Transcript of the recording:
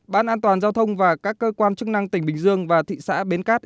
ban an toàn giao thông và các cơ quan chức năng tỉnh bình dương và thị xã bến cát